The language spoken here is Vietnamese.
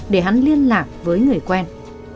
để hắn liên lạc với người quen